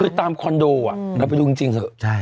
คือตามคอนโดเราไปดูจริงเถอะ